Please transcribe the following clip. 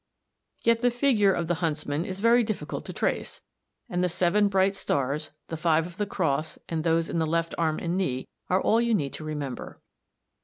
Yet the figure of the huntsman is very difficult to trace, and the seven bright stars, the five of the cross and those in the left arm and knee, are all you need remember.